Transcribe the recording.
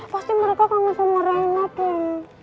pasti mereka kangen sama reina pun